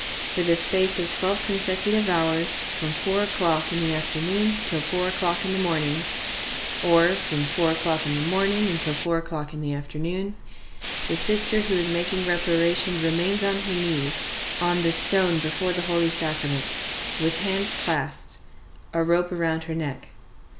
For the space of twelve consecutive hours, from four o'clock in the afternoon till four o'clock in the morning, or from four o'clock in the morning until four o'clock in the afternoon, the sister who is making reparation remains on her knees on the stone before the Holy Sacrament, with hands clasped, a rope around her neck.